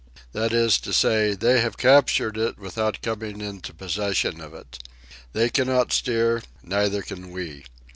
That is to say, they have captured it without coming into possession of it. They cannot steer, neither can we.